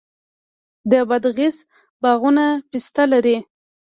د بادغیس باغونه پسته لري.